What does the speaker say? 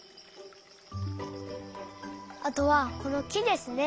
あとはこのきですね。